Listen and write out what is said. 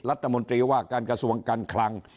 รัฐมนตรีว่าการกระทรวงการคลัง